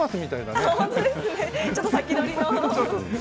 ちょっと先取りの。